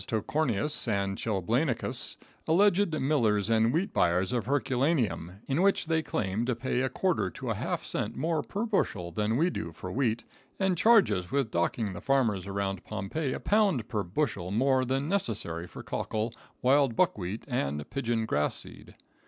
Toecorneous & Chilblainicus, alleged millers and wheat buyers of Herculaneum, in which they claim to pay a quarter to a half cent more per bushel than we do for wheat, and charge us with docking the farmers around Pompeii a pound per bushel more than necessary for cockle, wild buck wheat, and pigeon grass seed.